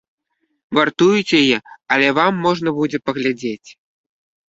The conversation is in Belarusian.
Вартуюць яе, але вам можна будзе паглядзець.